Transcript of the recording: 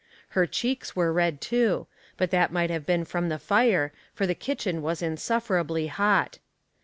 Her cheeks were red, too, but that might have been from the fire, for the kitchen was insufferably hot.